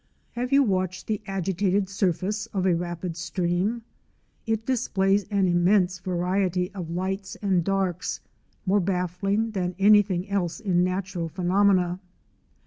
Have you watched the agitated surface of a rapid stream? It displays an immense variety of lights and darks, more baffling than anything else in natural phenomena.